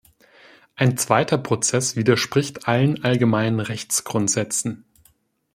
Ein zweiter Prozess widerspricht allen allgemeinen Rechtsgrundsätzen.